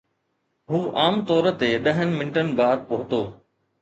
هو عام طور تي ڏهن منٽن بعد پهتو